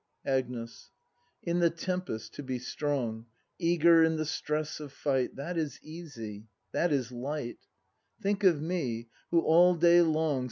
Agnes. In the tempest to be strong, Eager in the stress of fight. That is easy, that is light; Think of me, who, all day long.